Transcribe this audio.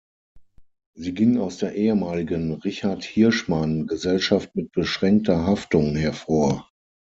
Sie ging aus der ehemaligen Richard Hirschmann GmbH hervor.